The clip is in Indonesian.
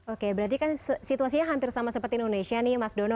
oke berarti kan situasinya hampir sama seperti indonesia nih mas dono